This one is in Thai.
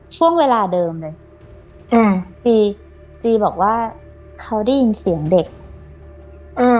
ช่วงเวลาเดิมเลยอ่าจีจีบอกว่าเขาได้ยินเสียงเด็กอ่า